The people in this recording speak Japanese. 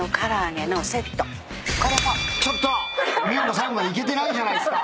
最後までいけてないじゃないっすか。